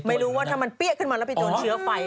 ไม่รู้ว่าถ้ามันเปี้ยขึ้นมาแล้วไปโดนเชื้อไฟ